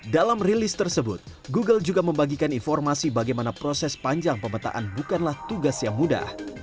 dalam rilis tersebut google juga membagikan informasi bagaimana proses panjang pemetaan bukanlah tugas yang mudah